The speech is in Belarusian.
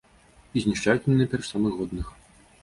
І знішчаюць яны найперш самых годных.